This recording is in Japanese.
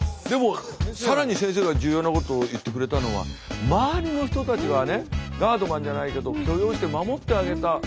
でも更に先生が重要なことを言ってくれたのは周りの人たちがねガードマンじゃないけど許容して守ってあげた。